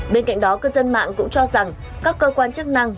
bên cạnh đó cư dân mạng cũng cho rằng các cơ quan chức năng